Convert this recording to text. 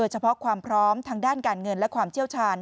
เฉพาะความพร้อมทางด้านการเงินและความเชี่ยวชาญ